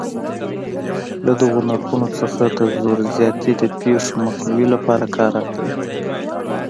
له دغو نرخونو څخه د زور زیاتي د پېښو مخنیوي لپاره کار اخلي.